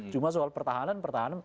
cuma soal pertahanan pertahanan